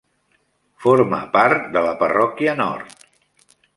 Forma part de la parròquia nord.